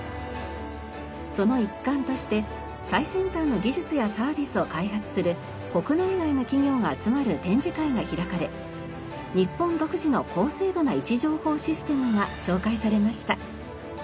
その一環として最先端の技術やサービスを開発する国内外の企業が集まる展示会が開かれ日本独自の高精度な位置情報システムが紹介されました。